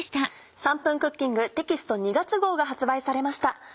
『３分クッキング』テキスト２月号が発売されました。